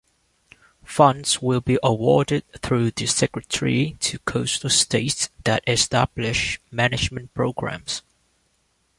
Funds will be awarded through the Secretary to coastal states that establish management programs.